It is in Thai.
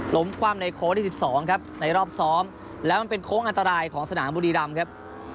คว่ำในโค้งที่๑๒ครับในรอบซ้อมแล้วมันเป็นโค้งอันตรายของสนามบุรีรำครับ